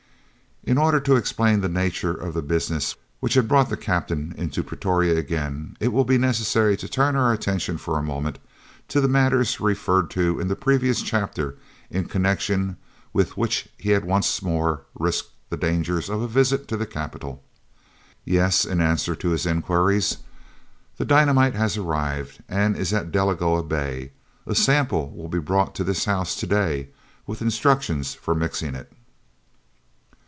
In order to explain the nature of the business which had brought the Captain into Pretoria again, it will be necessary to turn our attention for a moment to the matters referred to in the previous chapter in connection with which he had once more risked the dangers of a visit to the capital. "Yes," in answer to his inquiries, "the dynamite has arrived and is at Delagoa Bay. A sample will be brought to this house to day, with instructions for mixing it."